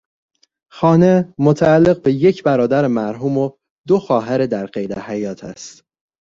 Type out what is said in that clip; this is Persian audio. خانه، متعلق به یک برادر مرحوم و دو خواهر در قید حیات است.